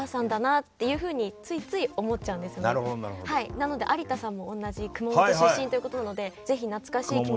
なので有田さんも同じ熊本出身ということなのでぜひ懐かしい気持ちに。